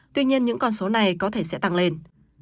tuy nhiên những con số này có thể sẽ tăng lên